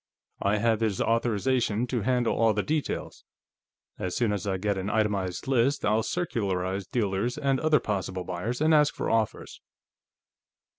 "I have his authorization to handle all the details. As soon as I get an itemized list, I'll circularize dealers and other possible buyers and ask for offers."